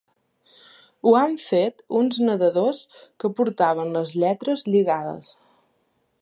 Ho han fet uns nedadors, que portaven les lletres lligades.